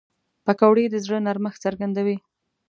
پکورې د زړه نرمښت څرګندوي